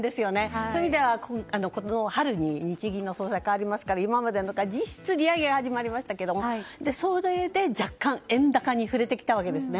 そういう意味ではこの春に日銀の総裁が代わりますから実質利上げが始まりましたけどそれで若干円高に振れてきたわけですね。